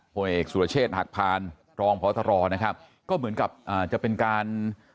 พเอกสุลเชษหักพานรองปตรก็เหมือนกับจะเป็นการ